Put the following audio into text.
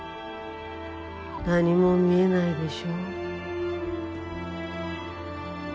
何も見えないでしょう？